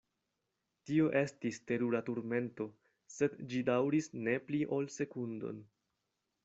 Tio estis terura turmento, sed ĝi daŭris ne pli ol sekundon.